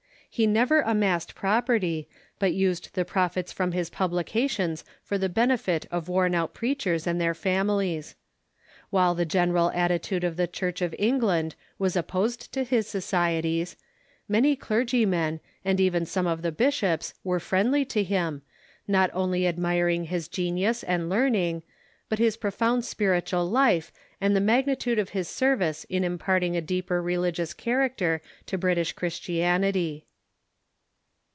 He never amassed property, but used the prof its from his publications for the benefit of worn out preachers and their families. While the general attitude of the Church of England was opposed to his societies, many clergymen, and even some of the bishops, were friendly to him, not only ad miring his genius and learning, but his profound spiritual life and the magnitude of his service in imparting a deeper relig ious character to British Christianity.